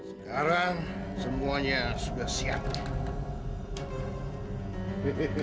apa dia masih mau jadi suami aku